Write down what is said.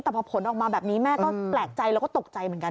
แต่พอผลออกมาแบบนี้แม่ก็แปลกใจแล้วก็ตกใจเหมือนกัน